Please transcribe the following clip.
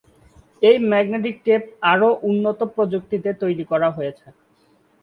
এই magnetic tape আরও উন্নত প্রযুক্তিতে তৈরি করা হয়েছে।